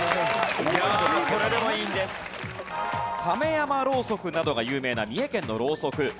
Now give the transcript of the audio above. カメヤマローソクなどが有名な三重県のロウソク。